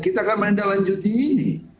kita akan menandatangani ini